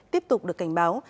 tiếp tục được cảnh báo